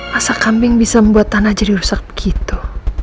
masak kambing bisa membuat tanah jadi rusak begitu